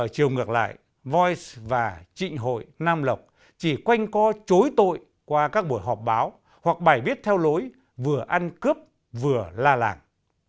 chiều ngược lại voice và trịnh hội nam lộc chỉ quanh co chối tội qua các buổi họp báo hoặc bài viết theo lối vừa ăn cướp vừa la làng